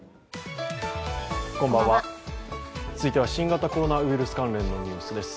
続いては新型コロナウイルス関連のニュースです。